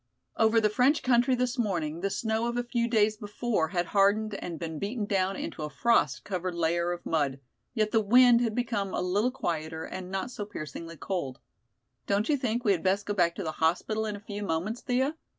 Over the French country this morning the snow of a few days before had hardened and been beaten down into a frost covered layer of mud, yet the wind had become a little quieter and not so piercingly cold. "Don't you think we had best go back to the hospital in a few moments, Thea?"